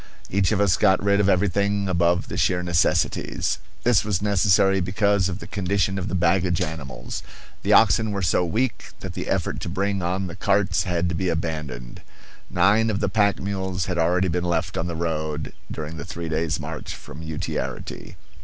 Each of us got rid of everything above the sheer necessities. This was necessary because of the condition of the baggage animals. The oxen were so weak that the effort to bring on the carts had to be abandoned. Nine of the pack mules had already been left on the road during the three days' march from Utiarity.